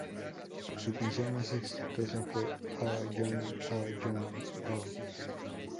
Su canción más exitosa fue "Oh Johnny, Oh Johnny, Oh!